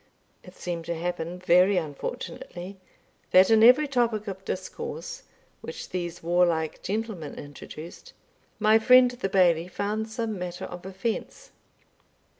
It seemed to happen very unfortunately, that in every topic of discourse which these warlike gentlemen introduced, my friend the Bailie found some matter of offence.